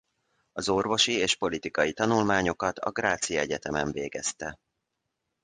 Az orvosi és politikai tanulmányokat a grazi egyetemen végezte.